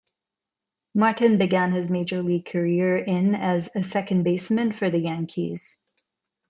Martin began his major league career in as a second baseman for the Yankees.